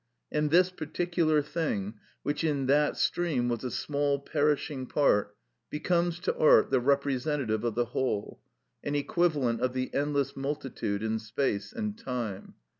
And this particular thing, which in that stream was a small perishing part, becomes to art the representative of the whole, an equivalent of the endless multitude in space and time.